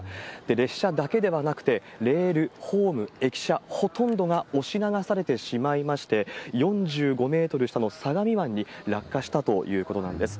列車だけではなくて、レール、ホーム、駅舎、ほとんどが押し流されてしまいまして、４５メートル下の相模湾に落下したということなんです。